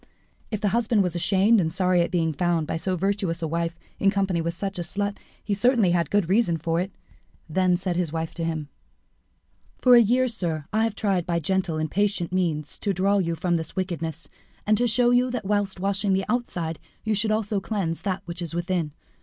If the husband was ashamed and sorry at being found by so virtuous a wife in company with such a slut, he certainly had good reason for it. Then said his wife to him "For a year, sir, have I tried by gentle and patient means to draw you from this wickedness, and to show you that whilst washing the outside you should also cleanse that which is within.